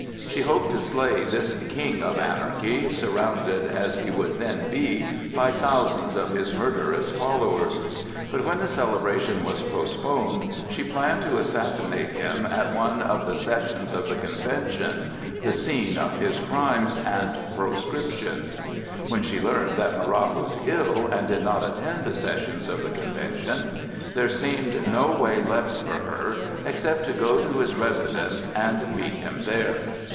She hoped to slay this king of anarchy, surrounded as he would then be by thousands of his murderous followers; but when the celebration was postponed, she planned to assassinate him at one of the sessions of the Convention, the scene of his crimes and proscriptions. When she learned that Marat was ill and did not attend the sessions of the Convention, there seemed no way left for her except to go to his residence and meet him there.